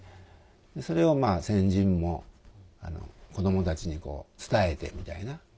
それを先人も子どもたちに伝えてみたいな。